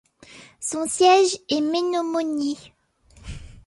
Son siège est Menomonie.